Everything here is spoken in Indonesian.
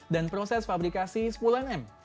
dan proses fabrikasi sepuluh nm